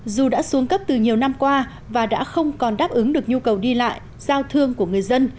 dù đã xuống cấp từ nhiều năm qua và đã không còn đáp ứng được nhu cầu đi lại giao thương của người dân